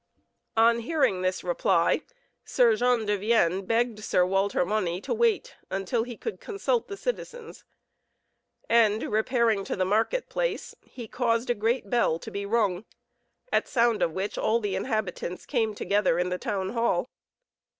On hearing this reply, Sir Jean de Vienne begged Sir Walter Mauny to wait till he could consult the citizens, and, repairing to the market place, he caused a great bell to be rung, at sound of which all the inhabitants came together in the town hall.